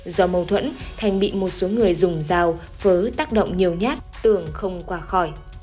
do mâu thuẫn thành bị một số người dùng dao phớ tác động nhiều nhát tưởng không qua khỏi